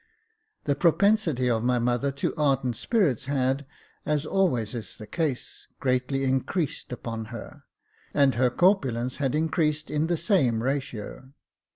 The propensity of my mother to ardent spirits had, as always is the case, greatly increased upon her, and her corpulence had in creased in the same ratio.